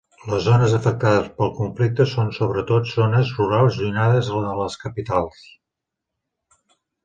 Les zones afectades pel conflicte són sobretot zones rurals allunyades de les capitals.